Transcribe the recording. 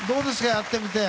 やってみて。